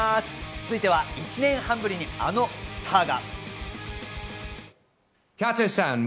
続いては１年半ぶりにあのスターが。